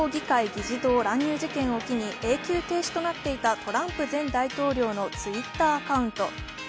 議事堂乱入事件を機に永久停止となっていたトランプ前大統領のＴｗｉｔｔｅｒアカウント。